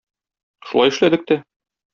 Шулай эшләдек тә.